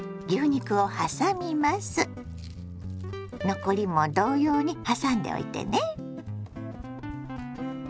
残りも同様にはさんでおいてね。